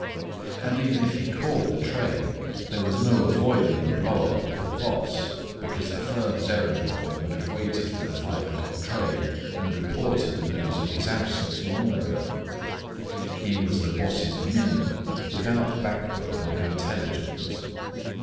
And even if he caught the train, there was no avoiding a blow up with the boss, because the firm's errand boy would've waited for the five o'clock train and reported the news of his absence long ago. He was the boss's minion, without backbone or intelligence.